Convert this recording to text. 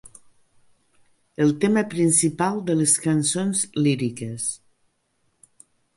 El tema principal de les cançons líriques.